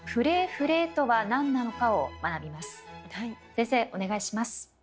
先生お願いします。